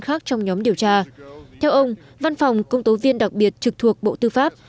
khác trong nhóm điều tra theo ông văn phòng công tố viên đặc biệt trực thuộc bộ tư pháp